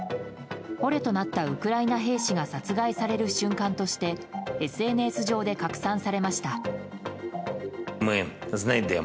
捕虜となったウクライナ兵士が殺害される瞬間としてＳＮＳ上で拡散されました。